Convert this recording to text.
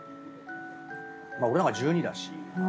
まあ俺なんか１２だし。